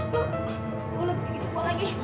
loh gue lagi di depan lagi